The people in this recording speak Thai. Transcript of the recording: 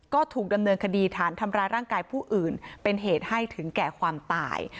ก็ถูกดำเนินคดีฐานทำร้ายร่างกายผู้อื่นเป็นเหตุให้ถึงแก่ความตาย